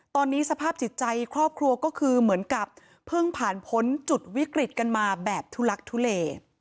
ตอนนี้สภาพจิตใจครอบครัวก็คือเหมือนกับเพิ่งผ่านพ้นจุดวิกฤตกันมาแบบทุลักทุเล